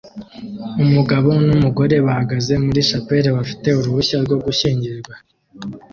Umugabo numugore bahagaze muri shapeli bafite uruhushya rwo gushyingirwa